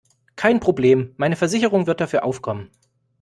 Kein Problem, meine Versicherung wird dafür aufkommen.